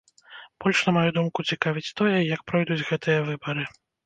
Больш, на маю думку, цікавіць тое, як пройдуць гэтыя выбары.